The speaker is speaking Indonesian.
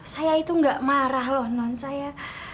saya itu gak marah loh non saya